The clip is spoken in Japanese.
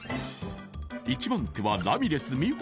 一番手はラミレス・美保